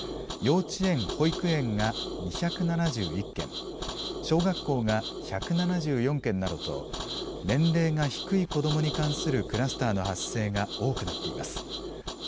幼稚園・保育園が２７１件、小学校が１７４件などと、年齢が低い子どもに関するクラスターの発生が多くなっています。